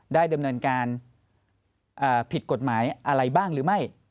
ดำเนินการผิดกฎหมายอะไรบ้างหรือไม่